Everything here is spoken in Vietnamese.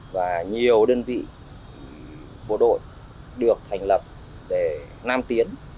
và nhiều đơn vị bộ đội được thành lập để nam tiến